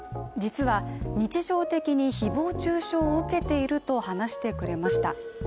実は、日常的に誹謗中傷を受けていると話してくれました。